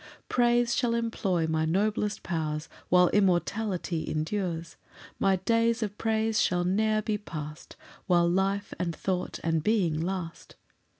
2 Praise shall employ my noblest powers, While immortality endures; My days of praise shall ne'er be past, While life and thought and being last.